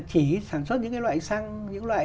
chỉ sản xuất những cái loại xăng những loại